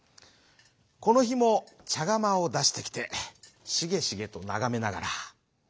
このひもちゃがまをだしてきてしげしげとながめながら。